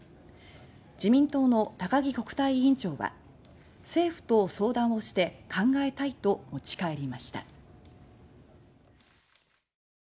自民党の高木国対委員長は「政府と相談をして考えたい」と持ち帰りました。